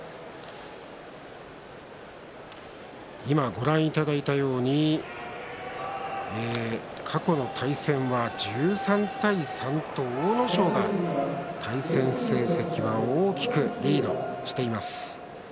ご覧いただいたように過去の対戦は１３対３と阿武咲が大きくリードしています。